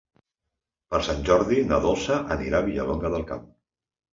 Per Sant Jordi na Dolça anirà a Vilallonga del Camp.